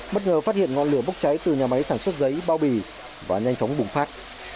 bất ngờ phát hiện ngọn lửa bốc cháy từ nhà máy sản xuất giấy bao bì và nhanh chóng bùng phát